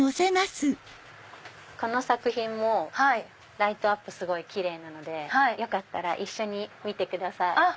この作品もライトアップすごいキレイなのでよかったら一緒に見てください。